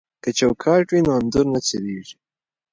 که چوکاټ وي نو انځور نه څیریږي.